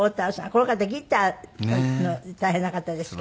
この方ギターの大変な方ですけど。